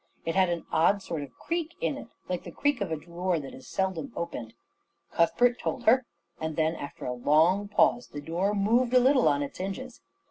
It had an odd sort of creak in it, like the creak of a drawer that is seldom opened. Cuthbert told her; and then, after a long pause, the door moved a little on its hinges.